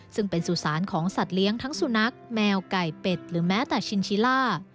ซึ่งเป็นสุสานของสัตว์เลี้ยงทั้งสุนัขแมวไก่เป็ดหรือแม้แต่ชินชิล่า